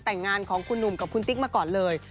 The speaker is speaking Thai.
แต่งงานของคุณหนุ่มกับคุณติ๊กมาก่อนเลย